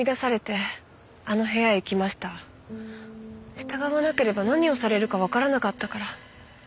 従わなければ何をされるかわからなかったから。